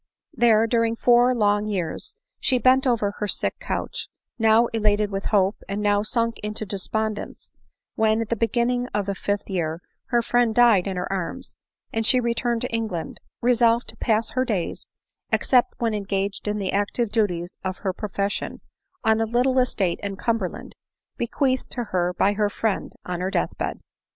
There, during four long years, she bent over her sick couch, now elated with hope, and now sunk into despon dence ; when, at the beginning of the fifth year, her friend died in her arms, and she returned to England, resolved to pass her days, except when engaged in the active dudes of her profession, on a little estate in Cum berland, bequeathed to her by her friend on her death bed.